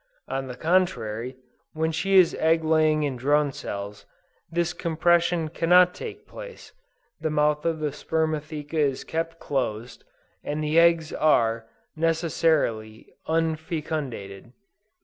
On the contrary, when she is egg laying in drone cells, this compression cannot take place, the mouth of the spermatheca is kept closed, and the eggs are, necessarily, unfecundated.